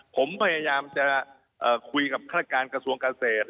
ผมพยายามจะคุยกับฆาตการกระทรวงเกษตร